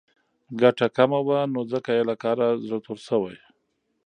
ګټه کمه وه نو ځکه یې له کاره زړه توری شو.